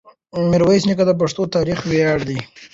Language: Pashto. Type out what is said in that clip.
میرویس نیکه د پښتنو د تاریخ ویاړ دی.